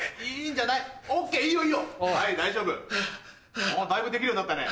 だいぶできるようになったね。